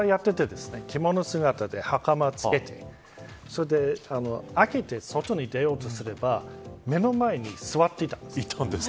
軽井沢で会ったことがあってお茶やってて着物姿ではかまつけていて開けて外に出ようとすれば目の前に座っていたんです。